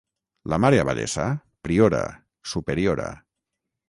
La mare abadessa, priora, superiora.